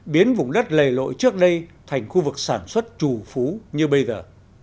biến vùng đất lề lội trước đây thành khu vực sản xuất trù phú như bây giờ